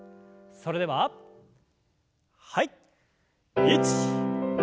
それでははい。